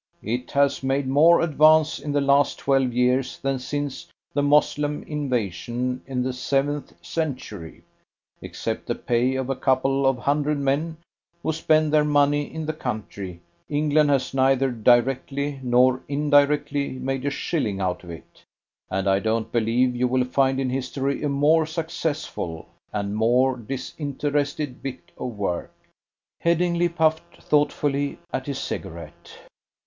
It has made more advance in the last twelve years than since the Moslem invasion in the seventh century. Except the pay of a couple of hundred men, who spend their money in the country, England has neither directly nor indirectly made a shilling out of it, and I don't believe you will find in history a more successful and more disinterested bit of work." Headingly puffed thoughtfully at his cigarette.